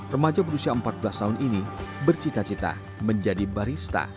remaja berusia empat belas tahun ini bercita cita menjadi barista